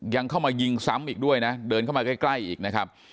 ยังเข้ามายิงซ้ำอีกด้วยนะเดินเข้ามาใกล้อีกนะครับ